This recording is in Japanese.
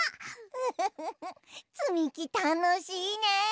フフフフつみきたのしいねえ！